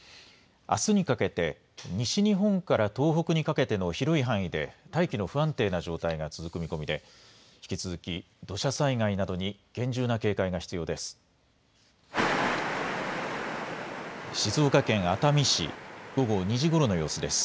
あすにかけて西日本から東北にかけての広い範囲で大気の不安定な状態が続く見込みで引き続き土砂災害などに厳重な警戒が必要です。